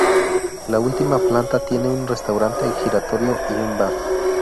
La última planta tiene un restaurante giratorio y un bar.